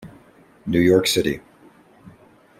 New York City.